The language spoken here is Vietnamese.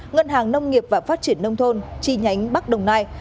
ngân hàng nông nghiệp và phát triển nông thôn chi nhánh bắc đồng nai